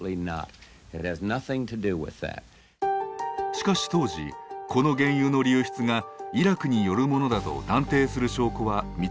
しかし当時この原油の流出がイラクによるものだと断定する証拠は見つかりませんでした。